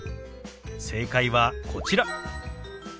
正解はこちら。